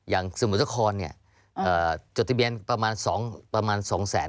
อย่างสมุทรคลจดที่เบียนประมาณ๒๙๐๐๐๐๐